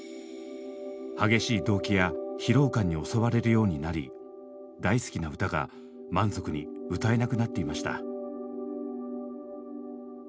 激しい動悸や疲労感に襲われるようになり大好きな歌が満足に歌えなくなっていました。